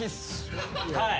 はい。